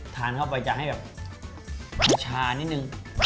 ทานเข้าไปจะให้แบบชานิดนึง